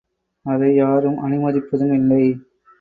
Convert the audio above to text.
அதை யாரும் அனுமதிப்பதும் இல்லை.